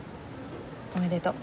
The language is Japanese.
おめでとう。